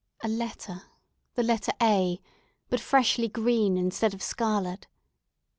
A letter—the letter A—but freshly green instead of scarlet.